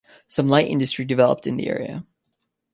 Some light industry developed in the area.